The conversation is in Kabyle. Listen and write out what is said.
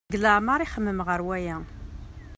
Deg leɛmer ixemmem ɣer waya.